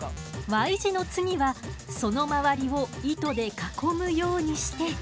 Ｙ字の次はその周りを糸で囲むようにして。